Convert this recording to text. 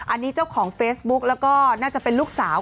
อันนี้เจ้าของเฟซบุ๊กแล้วก็น่าจะเป็นลูกสาว